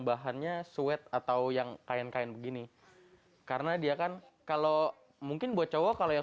bahannya suet atau yang kain kain begini karena dia kan kalau mungkin buat cowok kalau yang